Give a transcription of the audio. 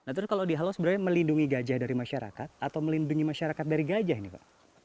nah terus kalau dihalau sebenarnya melindungi gajah dari masyarakat atau melindungi masyarakat dari gajah ini pak